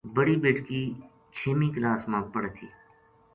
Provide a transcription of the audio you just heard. بڑی بیٹکی چھیمی کلاس ما پڑھے تھی